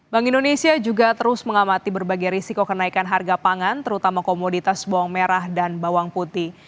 bank indonesia juga terus mengamati berbagai risiko kenaikan harga pangan terutama komoditas bawang merah dan bawang putih